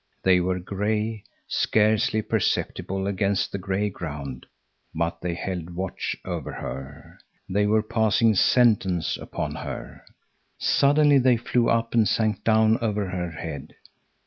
They were gray, scarcely perceptible against the gray ground, but they held watch over her. They were passing sentence upon her. Suddenly they flew up and sank down over her head.